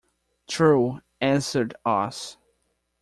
"True," answered Oz.